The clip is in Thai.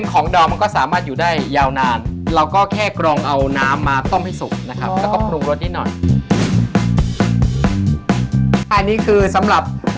ก็มันจะไม่แชะใช่ไหมครับ